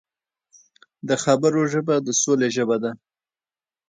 د خبرو ژبه د سولې ژبه ده